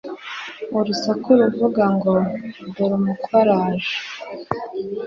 urusaku ruvuga ngo “Dore umukwe araje